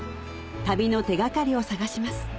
旅の手掛かりを探します